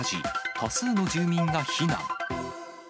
多数の住民が避難。